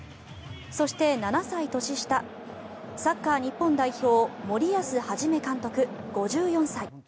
そして、７歳年下サッカー日本代表森保一監督、５４歳。